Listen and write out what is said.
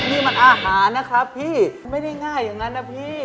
นี่มันอาหารนะครับพี่ไม่ได้ง่ายอย่างนั้นนะพี่